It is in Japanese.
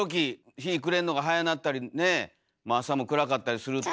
日暮れんのが早なったりね朝も暗かったりすると。